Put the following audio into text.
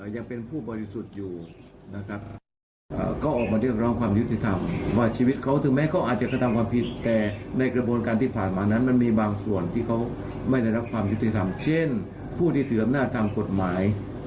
โดยเรียกร้องและต้องได้รับการพิสูจน์ด้วย